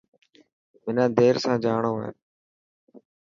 منا دير سان جاڻو هي.